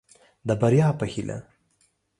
د بريا په هيله.